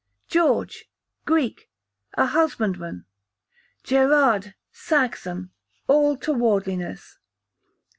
George, Greek, a husbandman. Gerard, Saxon, all towardliness.